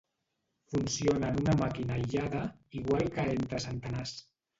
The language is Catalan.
Funciona en una màquina aïllada igual que entre centenars.